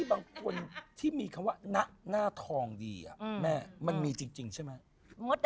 บางคนที่มีคำว่าหนักหน้าทองอ่ะมันมีจริงใช่มั้ย